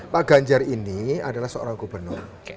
pak ganjar ini adalah seorang gubernur